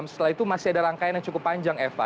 setelah itu masih ada rangkaian yang cukup panjang eva